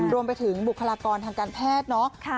รวมไปถึงบุคลากรทางการแพทย์เนาะ